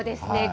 そうですね。